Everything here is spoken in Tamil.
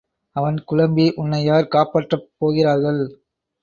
அவன் குழம்பி உன்னை யார் காப்பாற்றப் போகிறார்கள்?